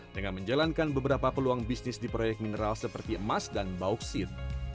dengan menjalankan beberapa peluang bisnis di proyek mineral seperti emas dan bauksit